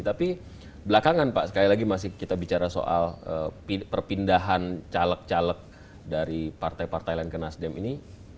tapi belakangan pak sekali lagi masih kita bicara soal perpindahan caleg caleg dari partai partai lain ke nasdem ini